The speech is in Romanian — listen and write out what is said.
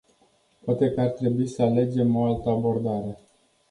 Poate că trebuie să alegem o altă abordare.